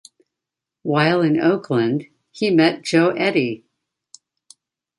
While in Oakland, he met Joe Edy.